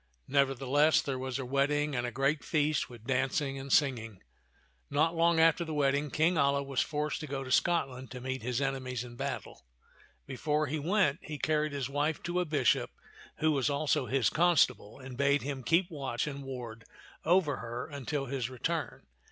Nevertheless, there was a wedding and a great feast with dancing and singing. Not long after the wedding King Alia was forced to go to Scotland to meet his enemies in battle. Before he went, he carried his wife to a bishop who was also his constable, and bade him keep watch and ward over her until his return.